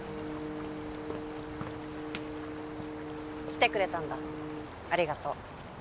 来てくれたんだありがとう。